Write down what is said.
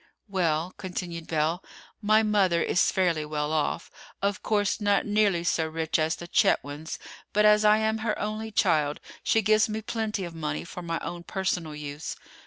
"Well," continued Belle, "my mother is fairly well off—of course not nearly so rich as the Chetwynds; but as I am her only child, she gives me plenty of money for my own personal use.